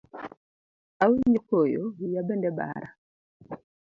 Awinjo koyo, wiya bende bara.